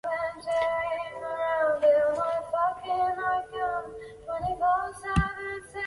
日本漫画家列表罗列日本曾获奖的漫画家。